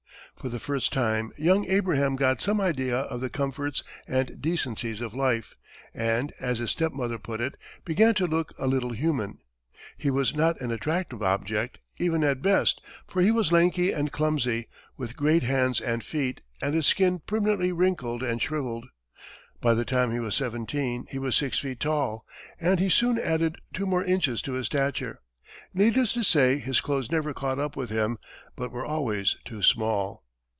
For the first time, young Abraham got some idea of the comforts and decencies of life, and, as his step mother put it, "began to look a little human." He was not an attractive object, even at best, for he was lanky and clumsy, with great hands and feet, and a skin prematurely wrinkled and shrivelled. By the time he was seventeen, he was six feet tall, and he soon added two more inches to his stature. Needless to say, his clothes never caught up with him, but were always too small.